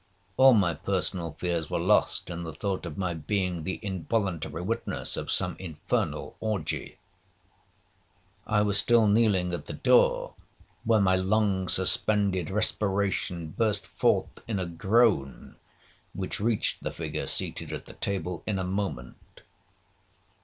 All my personal fears were lost in the thought of my being the involuntary witness of some infernal orgie. I was still kneeling at the door, when my long suspended respiration burst forth in a groan, which reached the figure seated at the table in a moment.